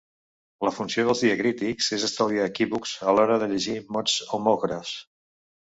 La funció dels diacrítics és estalviar equívocs a l’hora de llegir mots homògrafs.